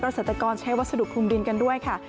เกษตรกรใช้วัสดุคลุมดินกันด้วยค่ะ